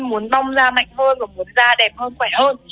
muốn bong da mạnh hơn muốn da đẹp hơn khỏe hơn